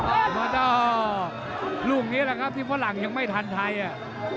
แล้วก็ลูกนี้แหละครับที่ฝรั่งยังไม่ทันไทยอ่ะ